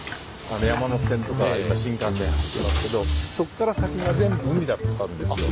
山手線とか新幹線走ってますけどそこから先が全部海だったんですよ。